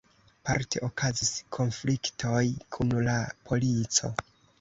Parte okazis konfliktoj kun la polico.